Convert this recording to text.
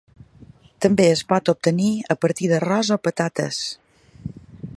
També es pot obtenir a partir d’arròs o patates.